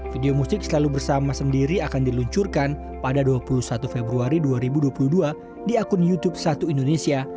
video musik selalu bersama sendiri akan diluncurkan pada dua puluh satu februari dua ribu dua puluh dua di akun youtube satu indonesia